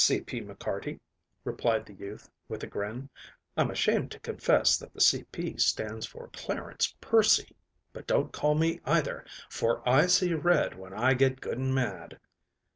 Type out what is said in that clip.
"C. P. McCarty," replied the youth, with a grin. "I'm ashamed to confess that the C. P. stands for Clarence Percy, but don't call me either, for I see red when I get good and mad."